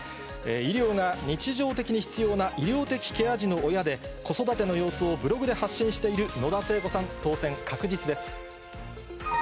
医療が日常的に必要な医療的ケア児の親で、子育ての様子をブログで発信している野田聖子さん、当選確実です。